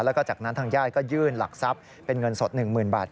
แล้วก็จากนั้นทางญาติก็ยื่นหลักทรัพย์เป็นเงินสด๑๐๐๐บาท